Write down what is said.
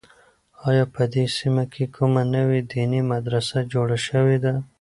آیا په دې سیمه کې کومه نوې دیني مدرسه جوړه شوې ده؟